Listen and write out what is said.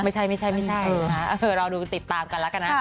ไม่ใช่นะฮะเดี๋ยวเราดูติดตามกันแล้วกันนะ